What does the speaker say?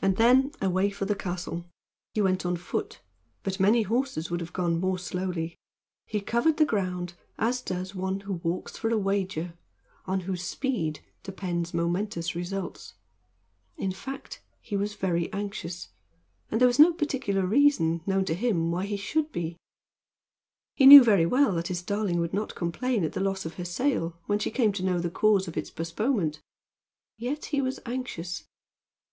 And then, away for the castle. He went on foot; but many horses would have gone more slowly. He covered the ground as does one who walks for a wager, or on whose speed depends momentous results. In fact, he was very anxious; and there was no particular reason, known to him, why he should be. He knew very well that his darling would not complain at the loss of her sail, when she came to know the cause of its postponement. Yet he was anxious.